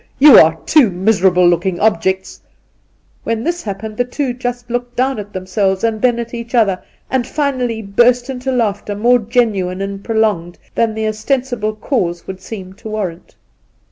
you are two miserable looking objects !'— when this happened the two just looked down at them selves and then at each other, and finally burst into laughter more genuine and prolonged than the ostensible cause would seem to warrant.